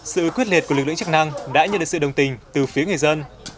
sự quyết liệt của lực lượng chức năng đã nhận được sự đồng tình từ phía người dân